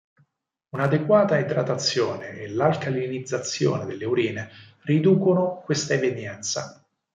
Una adeguata idratazione e l'alcalinizzazione delle urine riducono questa evenienza.